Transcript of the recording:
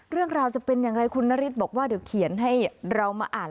เรื่องราวจะเป็นอย่างไรคุณนฤทธิบอกว่าเดี๋ยวเขียนให้เรามาอ่าน